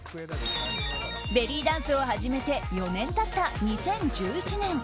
ベリーダンスを始めて４年経った２０１１年。